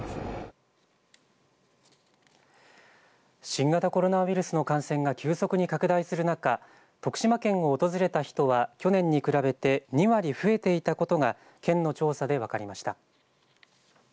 新型コロナウイルスの感染が急速に拡大する中、徳島県を訪れた人は去年に比べて２割増えていたことが県の調査で分かりました。